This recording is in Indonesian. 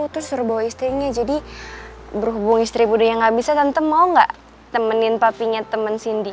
terus suruh bawa istrinya jadi berhubung istri muda yang gak bisa tante mau gak temenin papinya temen cindy